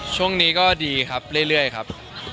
ช่วงนี้ก็ดีครับเรื่อยครับ